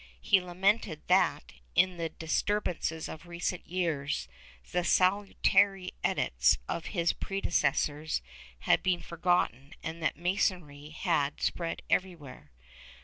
He lamented that, in the dis turbances of recent years, the salutary edicts of his predecessors had been forgotten and that Masonry had spread everywhere.